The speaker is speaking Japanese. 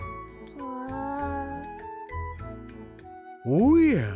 おや？